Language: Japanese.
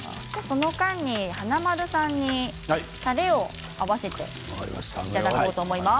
その間に華丸さんにたれを合わせていただきたいと思います。